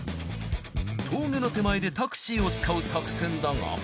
峠の手前でタクシーを使う作戦だが。